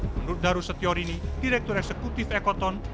menurut darussetiorini direktur eksekutif ekoton